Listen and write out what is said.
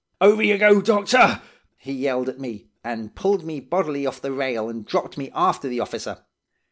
"'Over ye go, doctor!' he yelled at me, and pulled me bodily off the rail and dropped me after the officer.